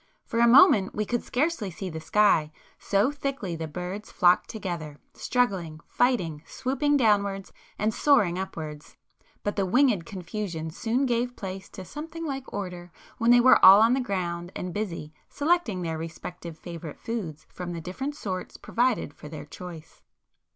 For a moment we could scarcely see the sky, so thickly the birds flocked together, struggling, fighting, swooping downwards, and soaring upwards,—but the wingëd confusion soon gave place to something like order when they were all on the ground and busy, selecting their respective favourite foods from the different sorts provided for their choice.